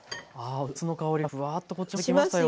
あお酢の香りがふわっとこっちまで来ましたよ。